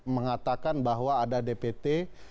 mengatakan bahwa ada dpt tujuh belas